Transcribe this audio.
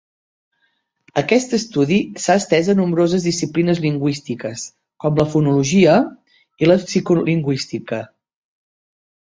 Aquest estudi s'ha estès a nombroses disciplines lingüístiques, com la fonologia i la psicolingüística.